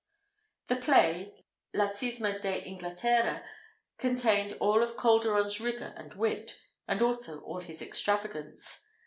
The play (La Cisma de Inglaterra) contained all Calderon's rigour and wit, and also all his extravagance.